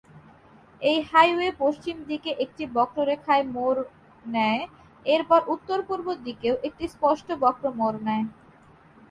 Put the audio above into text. এই হাইওয়ে পশ্চিম দিকে একটি বক্ররেখায় মোর নেয়, এরপর উত্তরপূর্ব দিকেও একটি স্পষ্ট বক্র মোর নেয়।